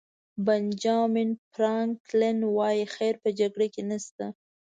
بنجامین فرانکلن وایي خیر په جګړه کې نشته.